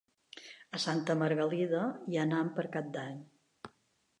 A Santa Margalida hi anem per Cap d'Any.